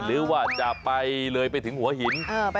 หรือว่าจะไปเลยไปถึงหัวหิน